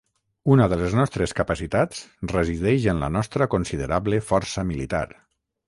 Una de les nostres capacitats resideix en la nostra considerable força militar.